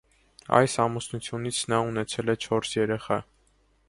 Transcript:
Այս ամուսնությունից նա ունեցել է չորս երեխա։